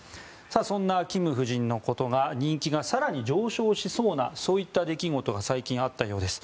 そんなキム夫人の人気が更に上昇しそうな出来事が最近あったようです。